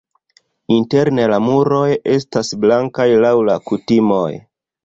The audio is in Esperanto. Interne la muroj estas blankaj laŭ la kutimoj.